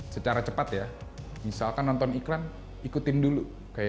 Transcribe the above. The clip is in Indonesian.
secara cepat ya misalkan nonton iklan ikutin dulu